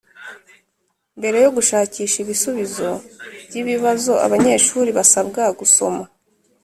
Mbere yo gushakisha ibisubizo by’ibibazo abanyeshuri basabwa gusoma